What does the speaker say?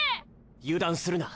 油断するな！